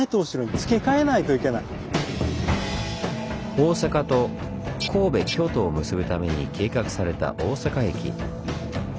大阪と神戸・京都を結ぶために計画された大阪駅。